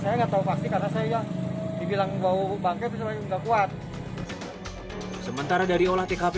saya enggak tahu pasti karena saya dibilang bau bangkit bisa kuat sementara dari olah tkp